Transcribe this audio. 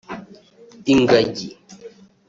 ingagi